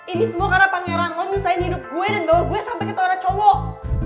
ini semua karena pangeran lo nyusahin hidup gue dan bawa gue sampe ketawara cowok